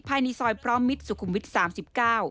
ภายในซอยพร้อมมิตรสุขุมวิทย์๓๙